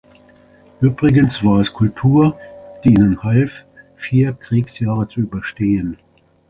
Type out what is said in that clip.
Übrigens war es Kultur, die ihnen half, vier Kriegsjahre zu überstehen.